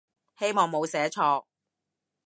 希望冇寫錯